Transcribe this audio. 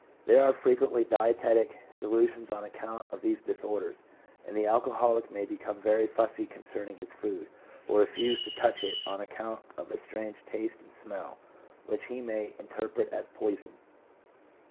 There are frequently dietic delusions on account of these disorders, and the alcoholic may become very fussy concerning his food, or refuse to touch it on account of a strange taste and smell, which he may interpret as poison.